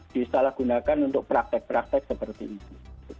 disalahgunakan untuk praktek praktek seperti itu